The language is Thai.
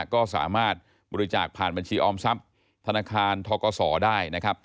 ก็สามารถบริจาคผ่านบัญชีออมทรัพย์ธนาคารทกศได้นะครับ